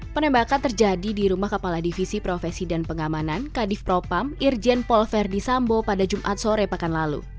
penembakan terjadi di rumah kepala divisi profesi dan pengamanan kadif propam irjen pol verdi sambo pada jumat sore pekan lalu